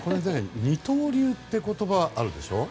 二刀流って言葉があるでしょ。